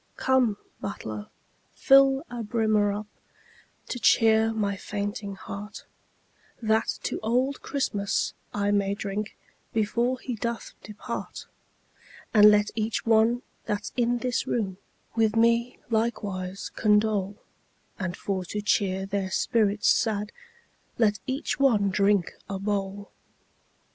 Come, butler, fill a brimmer up To cheer my fainting heart, That to old Christmas I may drink Before he doth depart; And let each one that's in this room With me likewise condole, And for to cheer their spirits sad Let each one drink a bowl.